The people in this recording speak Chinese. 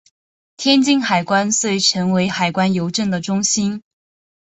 天津海关遂成为海关邮政的中心。